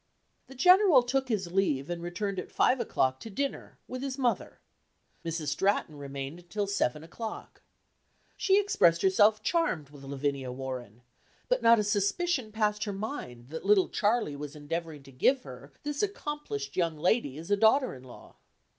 The General took his leave and returned at five o'clock to dinner, with his mother. Mrs. Stratton remained until seven o'clock. She expressed herself charmed with Lavinia Warren; but not a suspicion passed her mind that little Charlie was endeavoring to give her this accomplished young lady as a daughter in law.